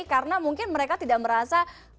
karena mungkin mereka tidak merasa